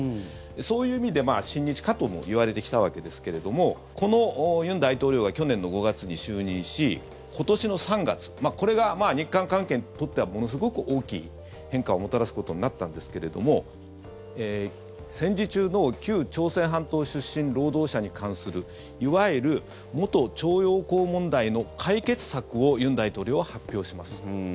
そういう意味で親日家ともいわれてきたわけですけれどもこの尹大統領が去年の５月に就任し今年の３月これが日韓関係にとってはものすごく大きい変化をもたらすことになったんですけど戦時中の旧朝鮮半島出身労働者に関するいわゆる元徴用工問題の解決策を尹大統領は発表します。